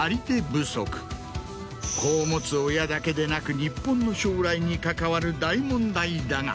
子を持つ親だけでなく日本の将来に関わる大問題だが。